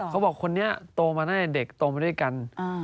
เขาบอกคนนี้โตมาในเด็กโตมาด้วยกัน